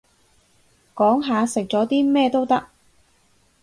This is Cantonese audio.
講下食咗啲咩都得